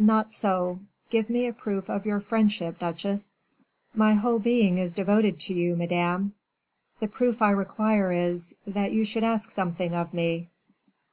"Not so. Give me a proof of your friendship, duchesse." "My whole being is devoted to you, madame." "The proof I require is, that you should ask something of me."